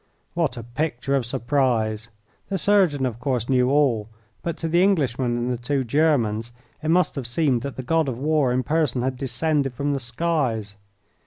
What a picture of surprise! The surgeon, of course, knew all, but to the Englishman and the two Germans it must have seemed that the god of war in person had descended from the skies.